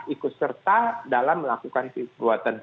atau dia ikut serta dalam melakukan perbuatan pidana